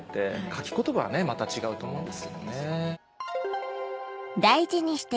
書きコトバはまた違うと思うんですけどもね。